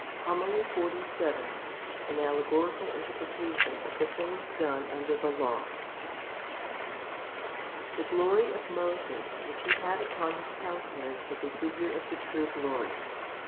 1 Eph. iii. 1 8, 19. 2 I Cor. vi. 17. HOMILY XLVII An allegorical interpretation of the things done under the Law. 1. THE glory of Moses which he had upon his coun tenance was a figure of the true glory.